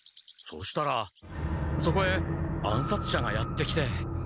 そしたらそこへ暗殺者がやって来て。